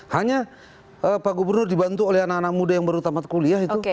hanya pak gubernur dibantu oleh anak anak muda yang baru tamat kuliah itu